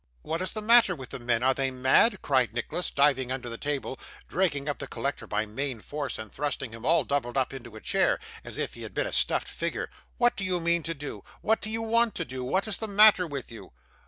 'What is the matter with the men! Are they mad?' cried Nicholas, diving under the table, dragging up the collector by main force, and thrusting him, all doubled up, into a chair, as if he had been a stuffed figure. 'What do you mean to do? What do you want to do? What is the matter with you?